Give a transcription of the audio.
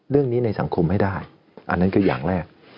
เรื่องนี้ในสังคมให้ได้อันนั้นก็อย่างแรก